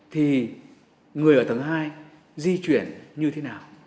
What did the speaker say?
thì người ở tầng hai di chuyển như thế nào